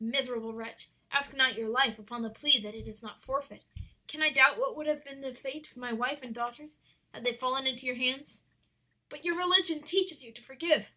Miserable wretch, ask not your life upon the plea that it is not forfeit. Can I doubt what would have been the fate of my wife and daughters had they fallen into your hands?' "'But your religion teaches you to forgive.'